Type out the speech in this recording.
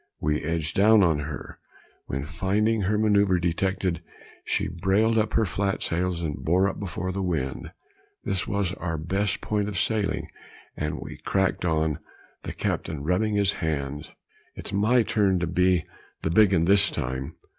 We edged down on her, when finding her manoeuvre detected, she brailed up her flat sails and bore up before the wind. This was our best point of sailing, and we cracked on, the captain rubbing his hands "It's my turn to be the big un this time."